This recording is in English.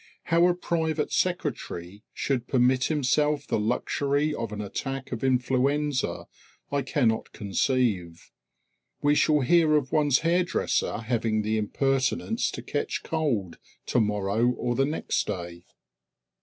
How a private sec. should permit himself the luxury of an attack of influenza I cannot conceive. We shall hear of one's hairdresser having the impertinence to catch cold, to morrow or next day!